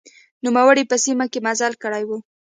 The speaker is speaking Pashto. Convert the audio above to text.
نوموړي په سیمه کې مزل کړی و.